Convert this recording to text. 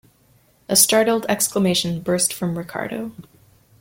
A startled exclamation burst from Ricardo.